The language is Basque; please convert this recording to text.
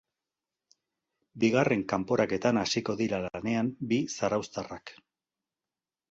Bigarren kaporaketan hasiko dira lanean bi zarauztarrak.